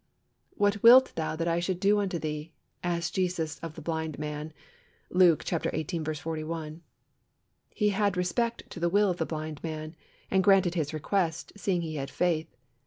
"What wilt thou that I shall do unto thee?" asked Jesus of the blind man (Luke xviii. 41). He had respect to the will of the blind man, and granted his request, seeing he had faith.